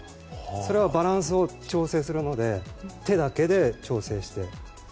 それはバランスを調整するので手だけで調整して。